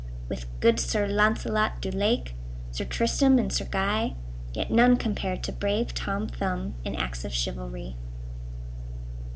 With good Sir Launcelot du Lake, Sir Tristram and Sir Guy, Yet none compared to brave Tom Thumb In acts of chivalry.